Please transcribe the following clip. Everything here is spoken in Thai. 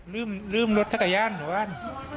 ลืมลืมรถจักรยานไปบ้าน